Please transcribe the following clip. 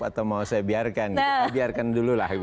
atau mau saya biarkan biarkan dulu lah